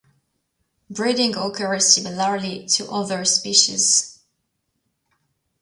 Breeding occurs similarly to other species.